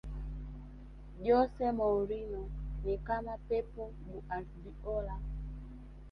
jose mourinho ni kama pep guardiola